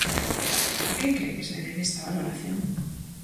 A que cre que se debe esta valoración?